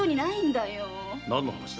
何の話だ？